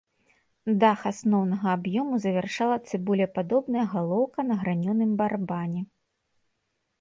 Дах асноўнага аб'ёму завяршала цыбулепадобная галоўка на гранёным барабане.